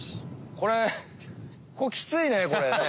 これこれキツいねこれね。